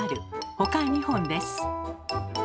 ほか２本です。